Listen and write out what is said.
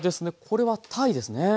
これはたいですね。